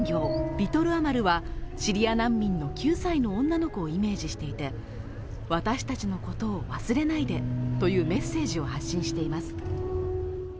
リトル・アマルはシリア難民の救済の女の子をイメージしていて私たちのことを忘れないでというメッセージを発信しています